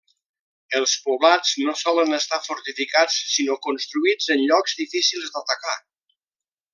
Els poblats no solen estar fortificats sinó construïts en llocs difícils d'atacar.